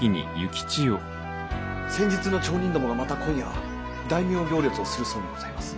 先日の町人どもがまた今夜大名行列をするそうにございます。